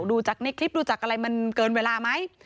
ดูจากในคลิปดูจากอะไรมันเกินเวลาไหม